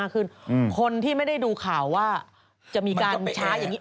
คือคนที่ไม่ได้ดูข่าวว่าจะมีการช้าอย่างนี้